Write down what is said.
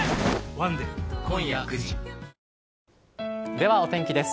では、お天気です。